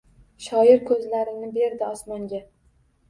Shoir ko’zlarini berdi osmonga.